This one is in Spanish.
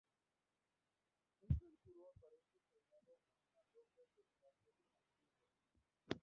Un canguro aparece tallado en las rocas detrás del aborigen.